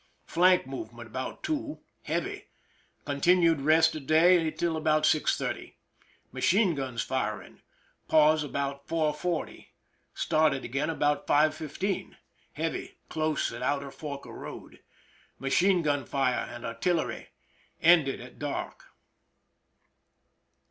Flank movement about 2. Heavy. Continued rest of day till about 6 : 30. Machine guns firing. Pause about 4 : 40. Started again about 5 : 15. Heavy— close at outer fork of road. Machine gun fire and artillery. Ended at dark.